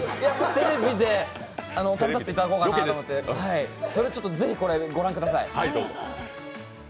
テレビで食べさせていただきたくてそれをぜひ、ご覧ください。